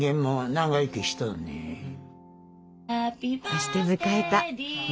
そして迎えた